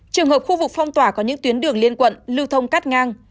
trường hợp khu vực phong tỏa có những tuyến đường liên quận lưu thông cát ngang